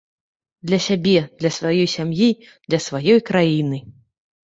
Для сябе, для сваёй сям'і, для сваёй краіны.